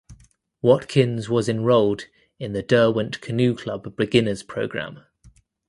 Watkins was enrolled in the Derwent Canoe Club beginners program.